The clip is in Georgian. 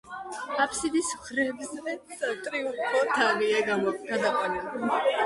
აბსიდის მხრებზე სატრიუმფო თაღია გადაყვანილი.